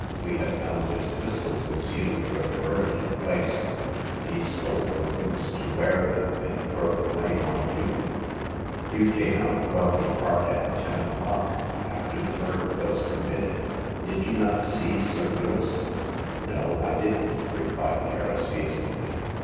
We have found his pistol concealed where the murder took place ; he stole your boots to wear them, and throw the blame on you. You came out of Welby Park at ten o'clock, after the murder was com mitted. Did you not see Sir Lewis ?" 224 Hagar of the Pawn Shop. '' No, I didn't," replied Kerris, hastily.